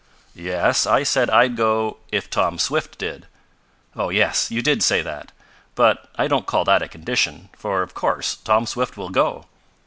"Yes, I said I'd go if Tom Swift did." "Oh, yes. You did say that. But I don't call that a condition, for of course Tom Swift will go.